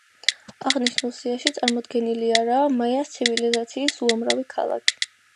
აღნიშნულ სიაში წარმოდგენილი არაა მაიას ცივილიზაციის უამრავი ქალაქი.